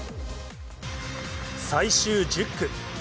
最終１０区。